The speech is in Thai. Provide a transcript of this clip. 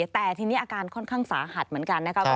แต่ทีนี้อาการค่อนข้างสาหัสเหมือนกันนะครับ